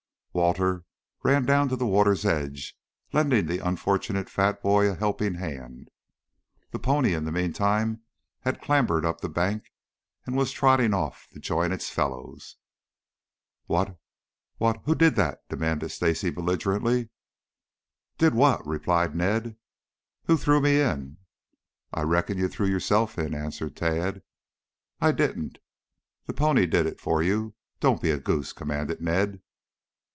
Walter ran down to the water's edge, lending the unfortunate fat boy a helping hand. The pony in the meantime had clambered up the bank and was trotting off to join its fellows. "What what who did that?" demanded Stacy belligerently. "Did what?" replied Ned. "Who threw me in?" "I reckon you threw yourself in," answered Tad. "I didn't." "The pony did it for you. Don't be a goose," commanded Ned.